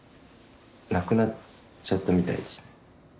亡くなっちゃったみたいですね。